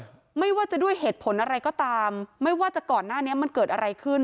ไม่ว่าจะด้วยเหตุผลอะไรก็ตามไม่ว่าจะก่อนหน้านี้มันเกิดอะไรขึ้น